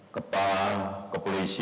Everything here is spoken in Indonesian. ketua kej direito